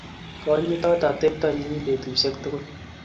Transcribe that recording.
Konyitot atepto nyi petusyek tugul.